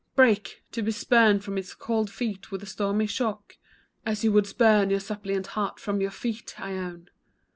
Break! to be spurned from its cold feet with a stony shock, As you would spurn my suppliant heart from your feet, Ione.